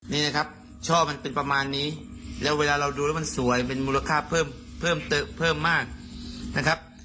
นี่นะครับช่อมันเป็นประมาณนี้แล้วเวลาเราดูแล้วมันสวยเป็นมูลค่าเพิ่มมากนะครับ